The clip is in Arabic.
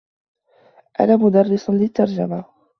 أنا مدرّس للتّرجمة.